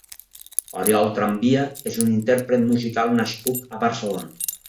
Oriol Tramvia és un intérpret musical nascut a Barcelona.